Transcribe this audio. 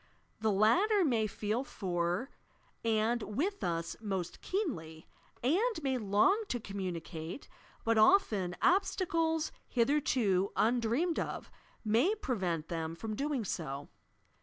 The latter may feel for and with us most keenly, and may long to communicate, but often obstacles hith erto undreamed of may prevent them from doing so.